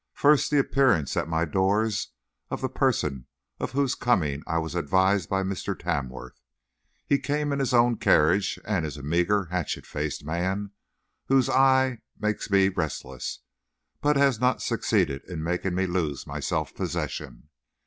First, the appearance at my doors of the person of whose coming I was advised by Mr. Tamworth. He came in his own carriage, and is a meager, hatchet faced man, whose eye makes me restless, but has not succeeded in making me lose my self possession.